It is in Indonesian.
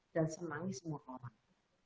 dan senangkan semua orang